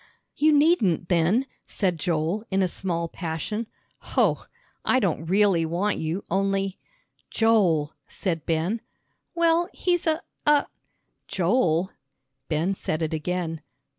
"You needn't then," said Joel, in a small passion. "Hoh! I don't really want you, only " "Joel!" said Ben. "Well, he's a a " "Joel!" Ben said it again.